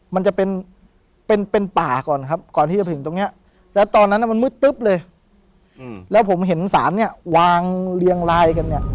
มันจะเป็นเป็นป่าก่อนครับก่อนที่จะถึงตรงเนี้ยแล้วตอนนั้นมันมืดตึ๊บเลยแล้วผมเห็นสารเนี่ยวางเรียงลายกันเนี่ย